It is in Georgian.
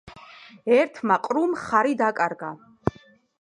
ერთმა ყრუმ ხარი დაკარგა